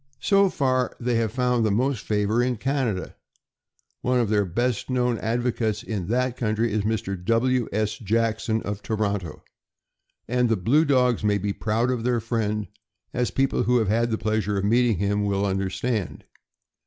So far they have found the most favor in Canada. One of their best known advocates in that country is Mr. W. S. Jackson, of Toronto; and the blue dogs may be proud of their friend, as people who have had the pleasure of meeting him will understand.